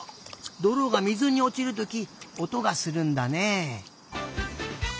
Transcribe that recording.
どろが水におちるときおとがするんだね。